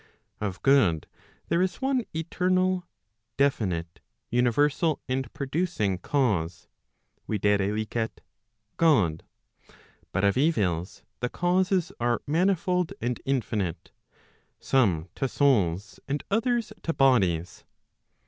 Of good there is one eternal, definite, universal and producing cause, viz. God ; but of evils the causes are manifold and infinite, some to souls, and others to bodies.